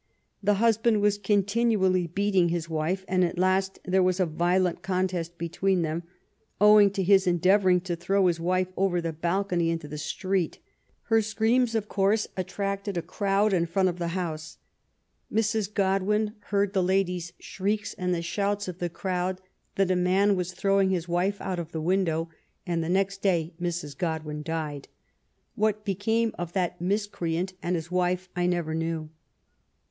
The husband was continually beating his wife, and at last there jtab a Tiolent contest between them, owing to his endeavouring to throw his wife over the balcony into the street. Her screams, of course, at LAST MONTHS: DEATH. 205 tracted a crowd in front of the house. Mrs. Godwin heard the lady's shrieks and the shouts of the crowd that a man was throwing his wife out of the window, and the next day Mrs. Godwin died. What became of that miscreant and his wife I never knew.